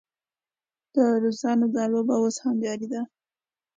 د روسانو دا لوبه اوس هم جاري ده.